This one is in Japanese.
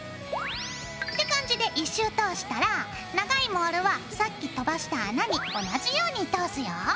って感じで１周通したら長いモールはさっき飛ばした穴に同じように通すよ。